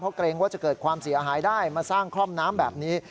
เกรงว่าจะเกิดความเสียหายได้มาสร้างคล่อมน้ำแบบนี้